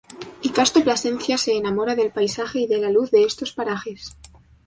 Y Casto Plasencia se enamora del paisaje y de la luz de estos parajes.